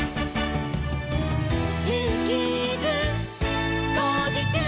「ジューキーズこうじちゅう！」